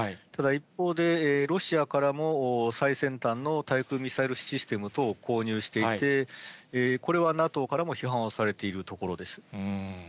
ただ一方で、ロシアからも最先端の対空ミサイルシステム等を購入していて、これはＮＡＴＯからも批判をされているところです。